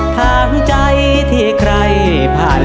ทางใจที่ใครพาไป